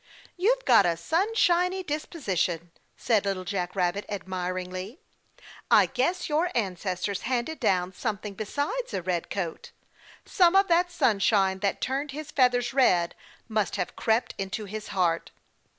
"You've got a sunshiny disposition," said Little Jack Rabbit admiringly. "I guess your ancestors handed down something besides a red coat some of that sunshine that turned his feathers red must have crept into his heart."